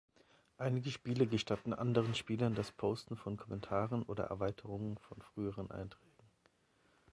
Einige Spiele gestatten anderen Spielern das Posten von Kommentaren oder Erweiterungen von früheren Einträgen.